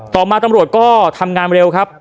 ต่อมาตำรวจก็ทำงานเร็วครับ